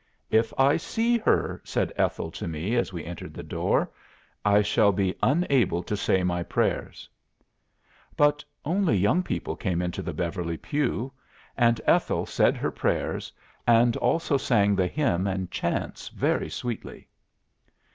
"'If I see her,' said Ethel to me as we entered the door, 'I shall be unable to say my prayers.'" "But only young people came into the Beverly pew, and Ethel said her prayers and also sang the hymn and chants very sweetly."